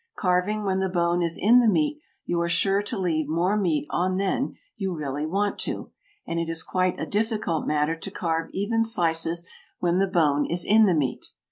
Carving when the bone is in the meat you are sure to leave more meat on than you really want to, and it is quite a difficult matter to carve even slices when the bone is in the meat.